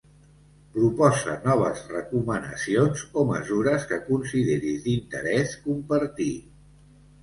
Proposa noves recomanacions o mesures que consideris d'interès compartir.